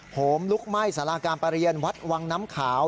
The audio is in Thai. โหมลุกไหม้สาราการประเรียนวัดวังน้ำขาว